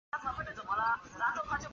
后来女儿哲哲成皇太极的中宫福晋。